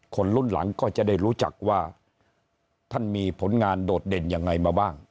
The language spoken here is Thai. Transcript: คนรุ่นหลังก็จะได้รู้จักว่าท่านมีผลงานโดดเด่นยังไงมาบ้าง